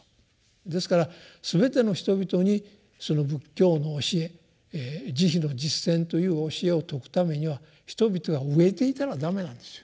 ですからすべての人々にその仏教の教え慈悲の実践という教えを説くためには人々が飢えていたらだめなんですよ。